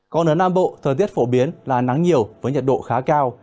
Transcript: còn ở nam bộ thời tiết phổ biến là nắng nhiều với nhiệt độ khá cao